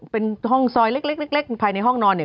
เป็นห้องซอยเล็กภายในห้องนอนเนี่ย